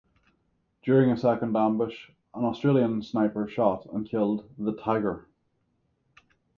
During a second ambush, an Australian sniper shot and killed the "Tiger".